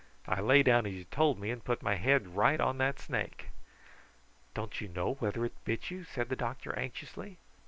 "I lay down as you told me, and put my head right on that snake." "Don't you know whether it bit you?" said the doctor anxiously.